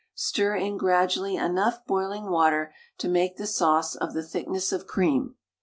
Stir in gradually enough boiling water to make the sauce of the thickness of cream.